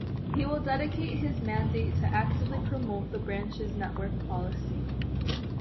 He will dedicate his mandate to actively promote the branch's network policy.